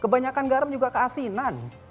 kebanyakan garam juga keasinan